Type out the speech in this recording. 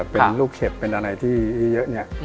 เป็นลูกเห็บเป็นอะไรที่เยอะเนี่ย